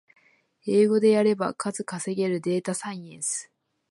英語でやれば数稼げるデータサイエンス